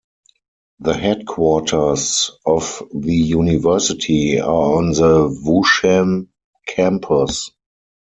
The headquarters of the university are on the Wushan Campus.